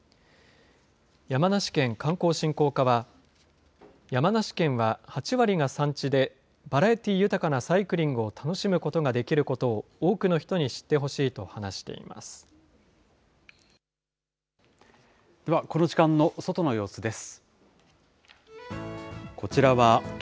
山梨県観光振興課は、山梨県は８割が山地で、バラエティー豊かなサイクリングを楽しむことができることを多くの人に知ってほしいと話しています。